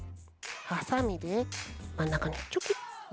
はさみでまんなかにチョキ。